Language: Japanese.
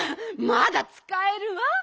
まだつかえるわ。